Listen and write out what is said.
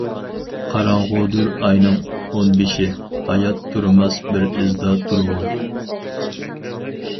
قاراڭغۇدۇر ئاينىڭ ئونبېشى، ھايات تۇرماس بىر ئىزدا تۇرغۇن.